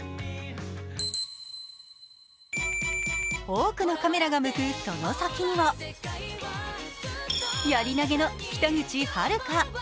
多くのカメラが向く、その先にはやり投げの北口榛花。